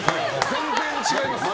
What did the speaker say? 全然違いますよ。